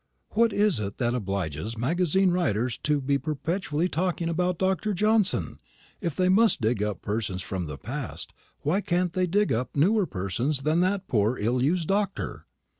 "What is it that obliges magazine writers to be perpetually talking about Dr. Johnson? If they must dig up persons from the past, why can't they dig up newer persons than that poor ill used doctor?"